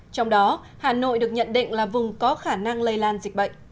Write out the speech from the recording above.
trong đó hà nội được nhận định là vùng có khả năng lây lan dịch bệnh